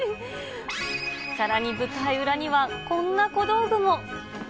さらに舞台裏には、こんな小道具も。